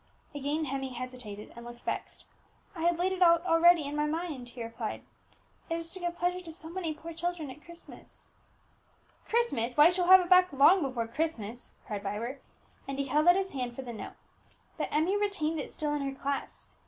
Again Emmie hesitated and looked vexed. "I had laid it all out already in my mind," she replied. "It is to give pleasure to so many poor children at Christmas." "Christmas! why, you shall have it back long before Christmas," cried Vibert; and he held out his hand for the note. But Emmie retained it still in her clasp.